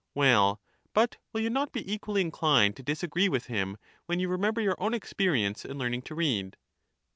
Well, but will you not be equally inclined to disagree with him, when you remember your own experience in learn ing to read